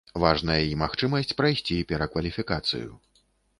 Важная і магчымасць прайсці перакваліфікацыю.